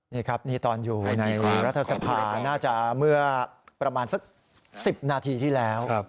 นี่ครับนี่ตอนอยู่ในรัฐสภาน่าจะเมื่อประมาณสัก๑๐นาทีที่แล้ว